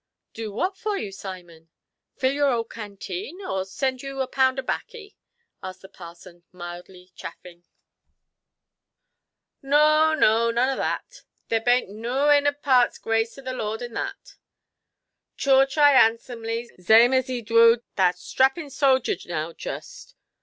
"Do what for you, Simon? Fill your old canteen, or send you a pound of baccy"? asked the parson, mildly chaffing. "Noo, noo; none o' that. There baint noo innard parts grace of the Lord in that. Choorch I handsomely, zame as 'e dwoed that strapping soger now jist".